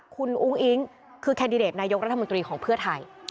คุณอุ้งอิ๊งคือแคนดิเดตนายกรัฐมนตรีของเพื่อไทย